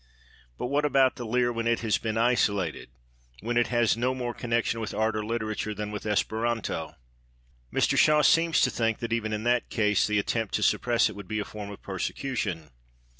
But what about the leer when it has been isolated when it has no more connection with art or literature than with Esperanto? Mr Shaw seems to think that even in that case the attempt to suppress it would be a form of persecution.